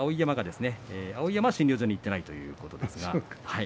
碧山は診療所に行っていないということです。